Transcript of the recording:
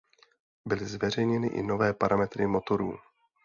Byly zveřejněny i nové parametry motorů.